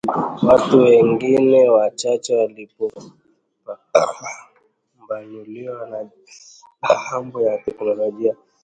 watu wengine wachache waliopambanukiwa na mambo ya teknolojia